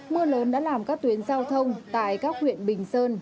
mưa lớn đã làm các tuyến giao thông tại các huyện bình sơn